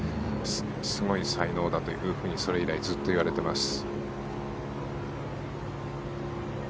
すごい才能だというふうにそれ以来ずっと言われています。